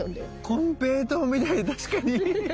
金平糖みたい確かに。